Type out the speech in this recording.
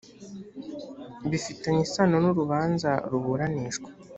bifitanye isano n urubanza ruburanishwa